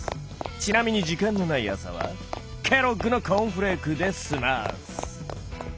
ちなみに時間のない朝はケロッグのコーンフレークで済ます。